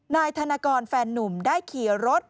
นายธนกรแฟนนุ่มได้ขี่รถ